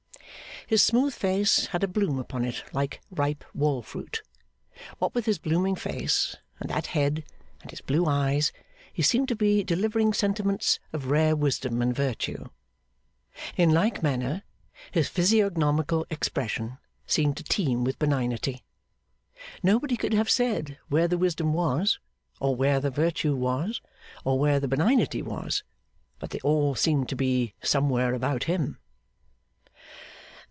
His smooth face had a bloom upon it like ripe wall fruit. What with his blooming face, and that head, and his blue eyes, he seemed to be delivering sentiments of rare wisdom and virtue. In like manner, his physiognomical expression seemed to teem with benignity. Nobody could have said where the wisdom was, or where the virtue was, or where the benignity was; but they all seemed to be somewhere about him.